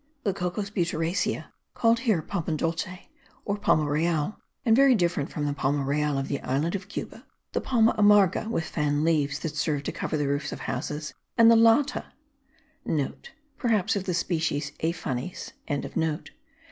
the Cocos butyracea, called here palma dolce or palma real, and very different from the palma real of the island of Cuba; the palma amarga, with fan leaves that serve to cover the roofs of houses, and the latta,* (* Perhaps of the species of Aiphanes.)